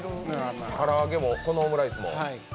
唐揚げも、このオムライスも。